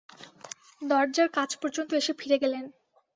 দরজার কাছ পর্যন্ত এসে ফিরে গেলেন।